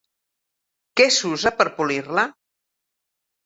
Què s'usa per polir-la?